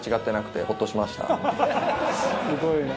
すごいな。